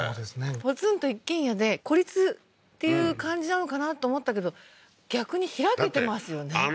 ポツンと一軒家で孤立っていう感じなのかなと思ったけど逆に開けてますよね